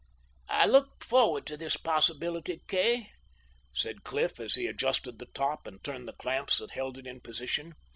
"I looked forward to this possibility, Kay," said Cliff, as he adjusted the top and turned the clamps that held it in position.